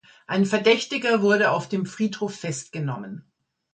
Ein Verdächtiger wurde auf dem Friedhof festgenommen.